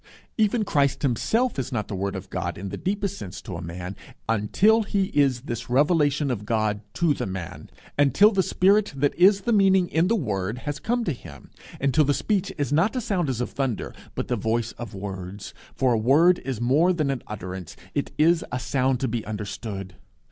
Even Christ himself is not The Word of God in the deepest sense to a man, until he is this Revelation of God to the man, until the Spirit that is the meaning in the Word has come to him, until the speech is not a sound as of thunder, but the voice of words; for a word is more than an utterance it is a sound to be understood.